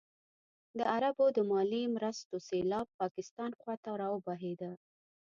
د عربو د مالي مرستو سېلاب پاکستان خوا ته راوبهېده.